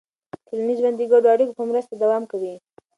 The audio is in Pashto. ټولنیز ژوند د ګډو اړیکو په مرسته دوام کوي.